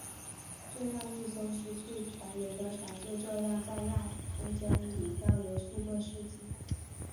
这样一艘失去船员的船就这样在亚空间里飘流数个世纪。